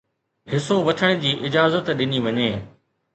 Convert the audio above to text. حصو وٺڻ جي اجازت ڏني وڃي